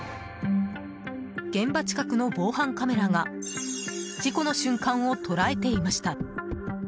現場近くの防犯カメラが事故の瞬間を捉えていました。